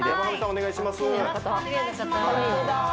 お願いします